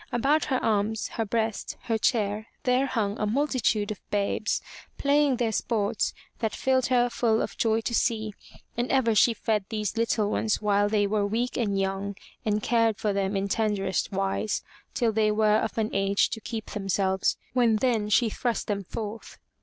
About her arms, her breast, her chair there hung a multitude of babes, playing their sports that filled her full of joy to see, and ever she fed these little ones while they were weak and young and cared for them in tenderest wise till they were of an age to keep themselves, when then she thrust them forth.